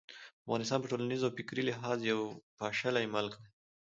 افغانستان په ټولنیز او فکري لحاظ یو پاشلی ملک دی.